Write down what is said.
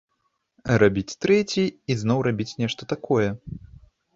Рабіць трэці і зноў рабіць нешта такое.